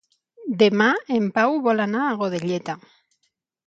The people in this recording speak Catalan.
Demà en Pau vol anar a Godelleta.